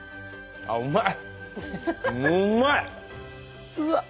あっうまい。